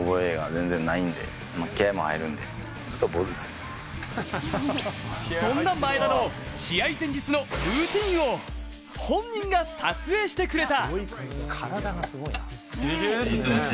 本人はそんな前田の試合前日のルーティーンを本人が撮影してくれた。